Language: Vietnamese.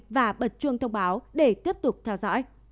đừng quên đăng ký kênh và bật chuông thông báo để tiếp tục theo dõi